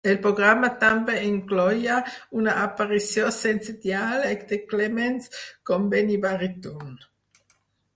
El programa també incloïa una aparició sense diàleg de Clements com Benny Baritone.